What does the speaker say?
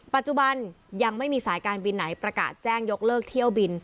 ปัจจุบันยังไม่มีสายการบินไหนประกาศแจ้งยกเลิกเที่ยวบิน